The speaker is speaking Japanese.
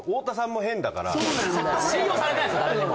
信用されてないんですよ